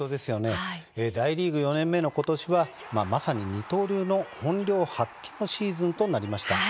大リーグ４年目のことしはまさに二刀流の本領発揮のシーズンとなりました。